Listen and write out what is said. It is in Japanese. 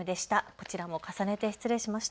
こちらも重ねて失礼しました。